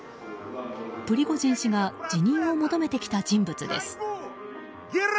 プリゴジン氏が辞任を求めてきた人物です。